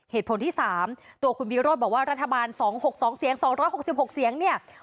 เหตุผลที่สามตัวคุณวิรถบอกว่ารัฐบาล๒๖๖เสียง